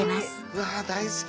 うわ大好き！